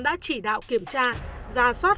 đã chỉ đạo kiểm tra ra soát